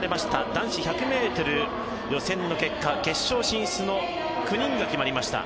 男子１００ｍ予選の結果決勝進出の９人が決まりました。